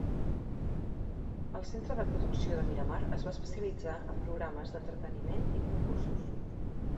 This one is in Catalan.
El centre de producció de Miramar es va especialitzar en programes d'entreteniment i concursos.